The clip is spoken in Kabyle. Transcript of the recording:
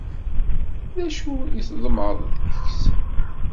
D acu i tḍemεeḍ deg-s?